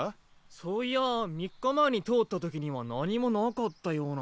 そういや３日前に通ったときには何もなかったような。